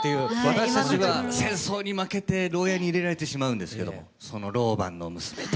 私たちは戦争に負けて牢屋に入れられてしまうんですけどもその牢番の娘と。